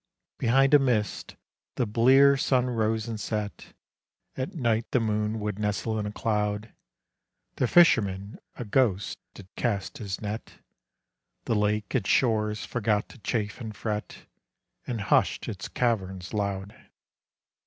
Behind a mist the blear sun rose and set, At night the moon would nestle in a cloud; The fisherman, a ghost, did cast his net; The lake its shores forgot to chafe and fret, And hushed its caverns loud.